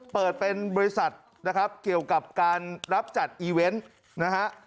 เปิดเป็นบริษัทนะครับเกี่ยวกับการรับจัดอีเวนต์นะฮะ